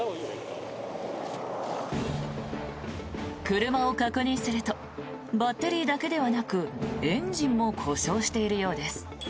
車を確認するとバッテリーだけではなくエンジンも故障しているようです。